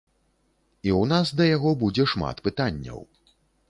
І ў нас да яго будзе шмат пытанняў.